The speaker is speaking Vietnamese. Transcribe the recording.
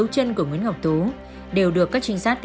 thế nạn nhân cử động